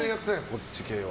そっち系は。